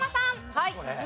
はい。